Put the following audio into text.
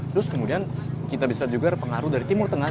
terus kemudian kita bisa juga pengaruh dari timur tengah